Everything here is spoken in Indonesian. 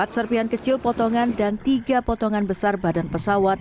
empat serpian kecil potongan dan tiga potongan besar badan pesawat